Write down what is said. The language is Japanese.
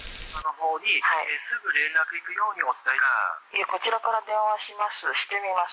「いえこちらから電話しますしてみます」